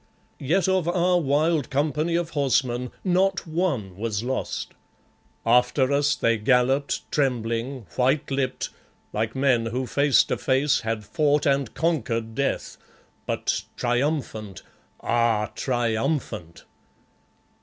Yet of our wild company of horsemen not one was lost. After us they galloped trembling, white lipped, like men who face to face had fought and conquered Death, but triumphant ah, triumphant!